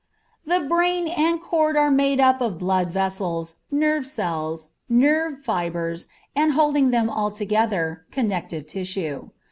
The brain and cord are made up of blood vessels, nerve cells, nerve fibres, and, holding them all together, connective tissue.